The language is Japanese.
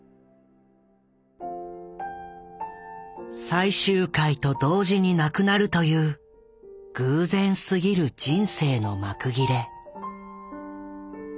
最終回と同時に亡くなるという偶然すぎる人生の幕切れ。